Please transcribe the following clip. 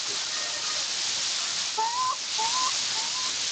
دلته شهیدي جنازې ښخېږي!!